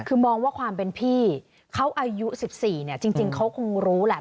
คือมองว่าความเป็นพี่เขาอายุ๑๔เนี่ยจริงเขาคงรู้แหละ